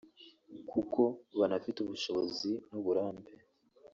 kuko banafite ubushobozi n’uburambe